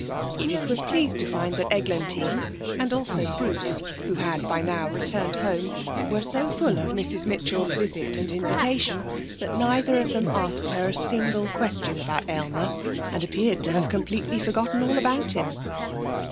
Edith was pleased to find that Eglantine, and also Bruce, who had by now returned home, were so full of Mrs Mitchell's visit and invitation, that neither of them asked her a single question about Aylmer, and appeared to have completely forgotten all about him.